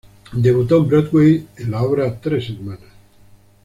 Debutó en Broadway en la obra "Tres hermanas".